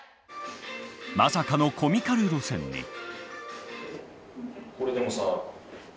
まさかのコミカル路線に。